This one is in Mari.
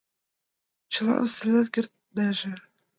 Чылам сеҥен кертнеже...